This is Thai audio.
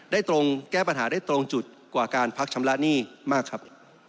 ตรงแก้ปัญหาได้ตรงจุดกว่าการพักชำระหนี้มากครับ